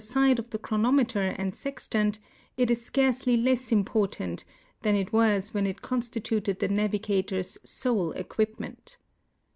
Hide of the chronometer and sextant, it is scarcely less important than it was when it constituted the navigator's sole eciuipnient.